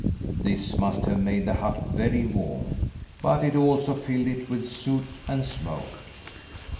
This must have made the hut very warm, but it also filled it with soot and smoke.